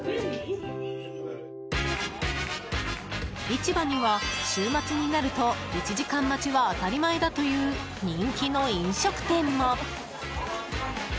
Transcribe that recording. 市場には、週末になると１時間待ちは当たり前だという人気の飲食店も。